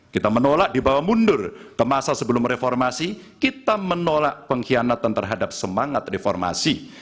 kita menolak dibawa mundur ke masa sebelum reformasi kita menolak pengkhianatan terhadap semangat reformasi